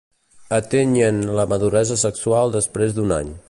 Atenyen la maduresa sexual després d'un any.